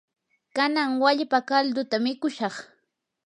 kanan wallpa kalduta mikushaq.